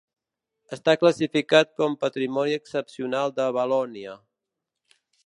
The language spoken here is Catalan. Està classificat com patrimoni excepcional de Valònia.